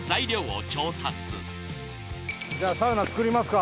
じゃあ、サウナ作りますか。